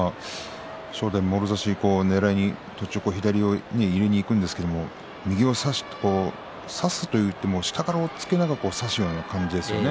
正代もろ差しねらいに途中で左を入れにいくんですが右を差すといっても下から押っつけながら差せるような感じですよね。